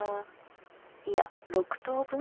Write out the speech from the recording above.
いや６等分。